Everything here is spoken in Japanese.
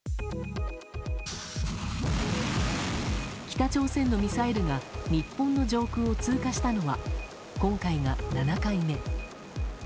北朝鮮のミサイルが日本の上空を通過したのは今回が７回目。